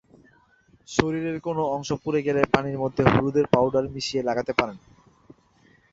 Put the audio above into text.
শরীরের কোনো অংশ পুড়ে গেলে পানির মধ্যে হলুদের পাউডার মিশিয়ে লাগাতে পারেন।